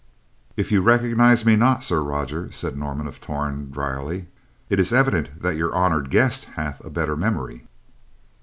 "If you recognize me not, Sir Roger," said Norman of Torn, drily, "it is evident that your honored guest hath a better memory."